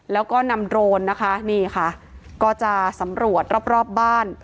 แล้วก็นำโดรนนะคะนี่ค่ะก็จะสำรวจรอบรอบบ้าน